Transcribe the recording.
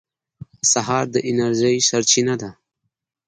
سهار د انرژۍ سرچینه ده.